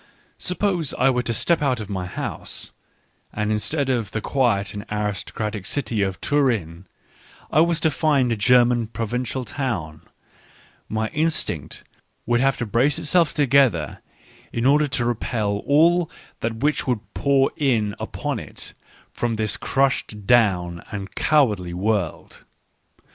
Sup pose I were to step out of my house, and, instead of the quiet and aristocratic city of Turin, I were to find a German provincial town, my instinct would have to brace itself together in order to repel all that which would pour in upon it from this crushed down and cowardly world.